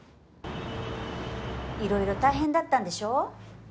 いろいろ大変だったんでしょ？